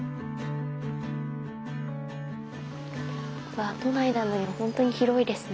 わあ都内なのにほんとに広いですね。